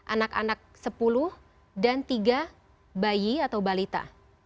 anak anak sepuluh dan tiga bayi atau balita